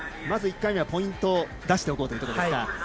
まず１回目はポイントを出しておこうというところ。